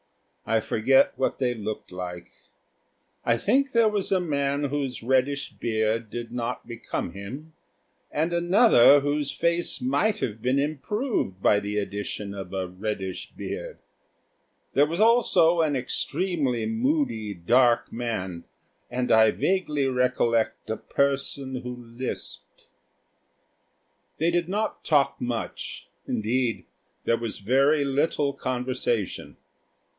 I forget what they looked like. I think there was a man whose reddish beard did not become him and another whose face might have been improved by the addition of a reddish beard; there was also an extremely moody dark man and I vaguely recollect a person who lisped. They did not talk much; indeed there was very little conversation.